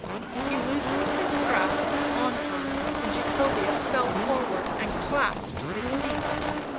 * He loosened his grasp on her and Jacobea fell forward and clasped his feet.